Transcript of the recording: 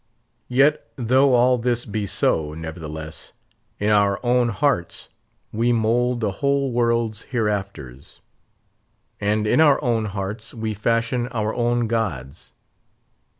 Yet though all this be so, nevertheless, in our own hearts, we mould the whole world's hereafters; and in our own hearts we fashion our own gods.